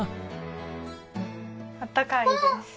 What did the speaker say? あったかいです。